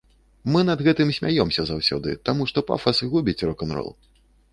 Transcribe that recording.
Мы над гэтым смяёмся заўсёды, таму што пафас губіць рок-н-рол.